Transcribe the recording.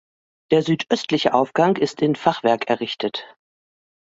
Der südöstliche Aufgang ist in Fachwerk errichtet.